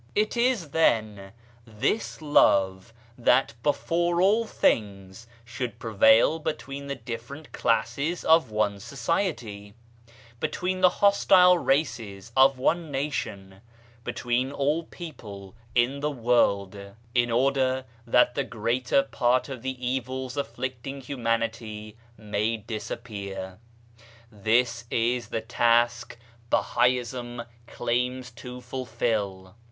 It is, then, this love that before all things should prevail between the different classes of one society ; between the hostile races of one nation ; between all people in the world, in order that the greater part of the evils afflicting humanity may disappear. This is the task Bahaism claims to fulfil.